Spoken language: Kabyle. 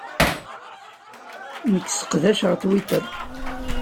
Nekk sseqdaceɣ Twitter.